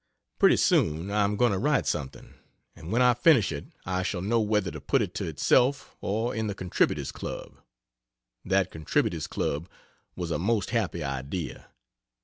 Pretty soon, I am going to write something, and when I finish it I shall know whether to put it to itself or in the "Contributors' Club." That "Contributors' Club" was a most happy idea.